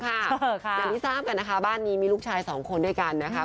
อย่างที่ทราบกันนะคะบ้านนี้มีลูกชายสองคนด้วยกันนะคะ